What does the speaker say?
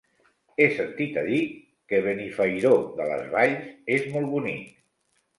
He sentit a dir que Benifairó de les Valls és molt bonic.